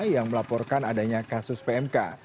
yang melaporkan adanya kasus pmk